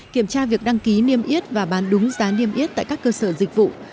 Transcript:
kiểm tra việc đăng ký niêm yết và bán đúng giá niêm yết tại các cơ sở dịch vụ